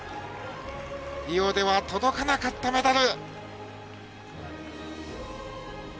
リオでは届かなかったメダル。